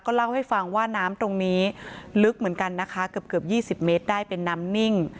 เล่าให้ฟังว่าน้ำตรงนี้ลึกเหมือนกันนะคะเกือบ๒๐เมตรได้เป็นน้ำนิ่ง